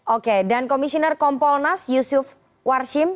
oke dan komisioner kompolnas yusuf warsim